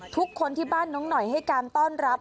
ทุกคนที่บ้านน้องหน่อยให้การต้อนรับ